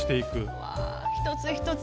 うわぁ一つ一つ。